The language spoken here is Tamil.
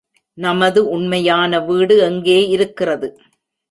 நமது உண்மையான வீடு எங்கே இருக்கிறது?